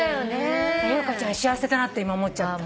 優香ちゃん幸せだなって今思っちゃった。